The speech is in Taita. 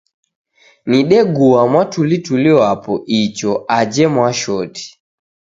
Nidegua mwatulituli wapo icho aje Mwashoti.